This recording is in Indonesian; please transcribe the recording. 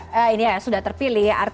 artinya bung joy ini ya sudah terpilih